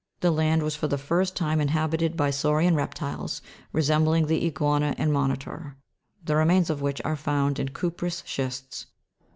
The land was for the first time inhabited by saurian reptiles resembling the iguana and moni tor, the remains of which are found in the cuprous schists.